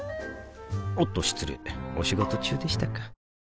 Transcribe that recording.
おっと失礼お仕事中でしたか